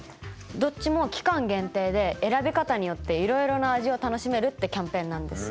どっちも期間限定で選び方によっていろいろな味を楽しめるってキャンペーンなんです。